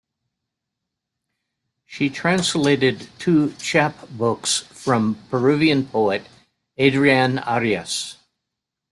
She translated two chap books from Peruvian poet Adrian Arias.